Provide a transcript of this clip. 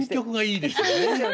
いいですよね。